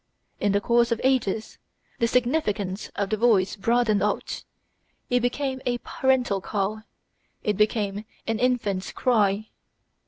In the course of ages the significance of the voice broadened out; it became a parental call; it became an infant's cry.